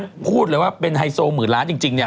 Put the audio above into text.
ถ้าพูดเลยว่าเป็นไฮโซหมื่นล้านจริงเนี่ย